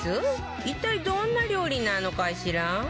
一体どんな料理なのかしら？